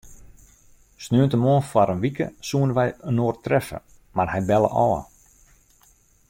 Sneontemoarn foar in wike soene wy inoar treffe, mar hy belle ôf.